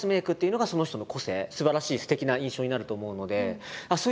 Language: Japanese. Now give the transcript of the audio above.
すばらしいすてきな印象になると思うので。